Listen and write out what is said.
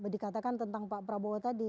dikatakan tentang pak prabowo tadi